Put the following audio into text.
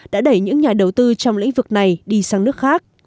đã đẩy những nhà đầu tư trong lĩnh vực này đi sang nước khác